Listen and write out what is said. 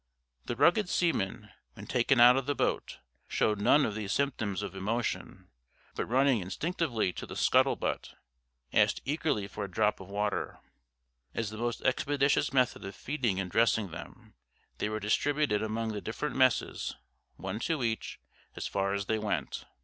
The rugged seamen, when taken out of the boat, showed none of these symptoms of emotion, but running instinctively to the scuttle butt, asked eagerly for a drop of water. As the most expeditious method of feeding and dressing them, they were distributed among the different messes, one to each, as far as they went.